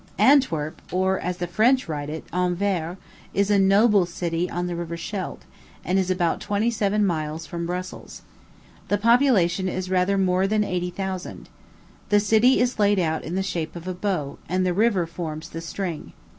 Antwerp or, as the French write it, Anvers is a noble city on the River Scheldt, and is about twenty seven miles from Brussels. The population is rather more than eighty thousand. The city is laid out in the shape of a bow, and the river forms the string.